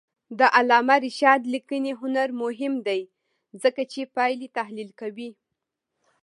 د علامه رشاد لیکنی هنر مهم دی ځکه چې پایلې تحلیل کوي.